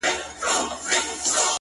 • خپل نصیب وو تر قفسه رسولی ,